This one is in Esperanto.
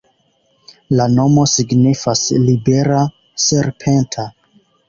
La nomo signifas libera-serpenta.